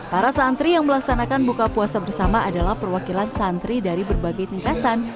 para santri yang melaksanakan buka puasa bersama adalah perwakilan santri dari berbagai tingkatan